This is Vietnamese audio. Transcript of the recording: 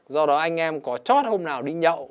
do đó anh em có chót hôm nào đi nhậu